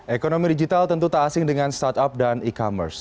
ekonomi digital tentu tak asing dengan startup dan e commerce